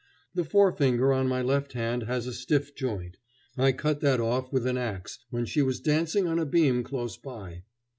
The forefinger on my left hand has a stiff joint. I cut that off with an axe when she was dancing on a beam close by.